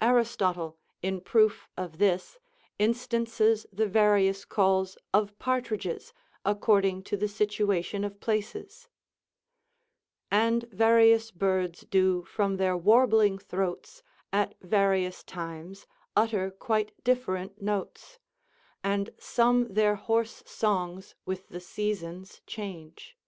Aristotle, in proof of this, instances the Various calls of partridges, according to the situation of places: "And various birds do from their warbling throats At various times, utter quite different notes, And some their hoarse songs with the seasons change."